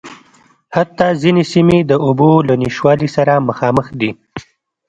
حتٰی ځينې سیمې د اوبو له نشتوالي سره مخامخ دي.